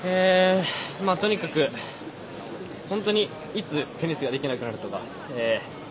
とにかく本当にいつテニスができなくなるとか